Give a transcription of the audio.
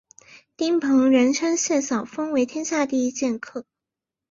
丁鹏仍称谢晓峰为天下第一剑客。